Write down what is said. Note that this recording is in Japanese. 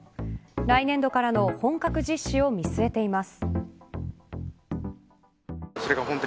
来年度からの本格実施を見据えています。